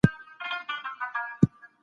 خپلو ماشومانو ته قرآن ور زده کړئ.